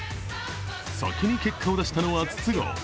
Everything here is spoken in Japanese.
先に結果を出したのは筒香。